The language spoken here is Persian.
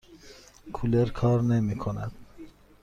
کولر کار نمی کند.